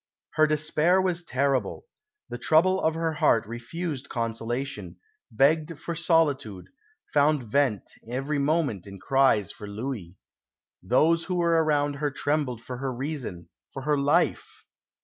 "Her despair was terrible; the trouble of her heart refused consolation, begged for solitude, found vent every moment in cries for Louis. Those who were around her trembled for her reason, for her life....